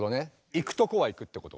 行くとこは行くってこと？